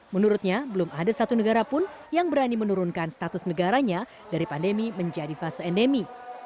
menurutnya belum ada satu negara pun yang berani menurunkan status negaranya dari pandemi menjadi fase endemi